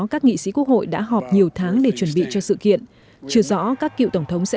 các nghị sĩ quốc hội đã họp nhiều tháng để chuẩn bị cho sự kiện chưa rõ các cựu tổng thống sẽ